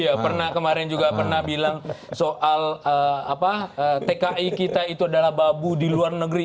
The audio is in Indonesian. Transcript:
iya pernah kemarin juga pernah bilang soal tki kita itu adalah babu di luar negeri